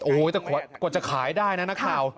โอ้โหแต่กว่าจะขายได้นะนักข่าว